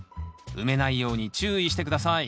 埋めないように注意して下さい。